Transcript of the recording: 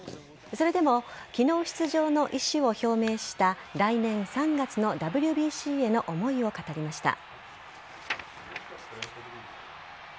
それでも昨日、出場の意思を表明した来年３月のＷＢＣへの思いを語りました。